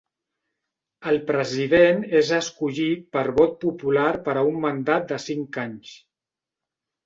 El president és escollit per vot popular per a un mandat de cinc anys.